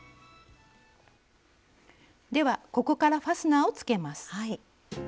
ではここからファスナーをつけます。